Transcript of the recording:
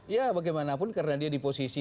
ya bagaimanapun karena dia di posisi